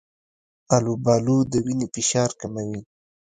آلوبالو د وینې فشار کموي.